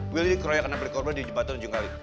willi dikroyek anak black cobra di jembatan di jenggali